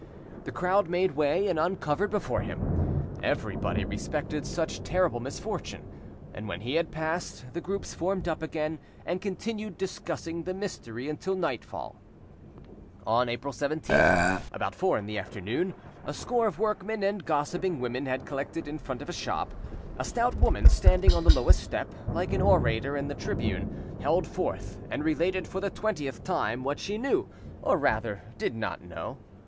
The crowd made way and uncovered before him, everybody respected such terrible misfortune, and when he had passed, the groups formed up again, and continued discussing the mystery until nightfall. On April 17th, about four in the afternoon, a score of workmen and gossiping women had collected in front of a shop. A stout woman, standing on the lowest step, like an orator in the tribune, held forth and related for the twentieth time what she knew, or rather, did not know.